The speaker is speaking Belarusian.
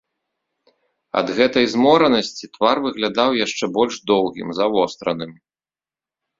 Ад гэтай зморанасці твар выглядаў яшчэ больш доўгім, завостраным.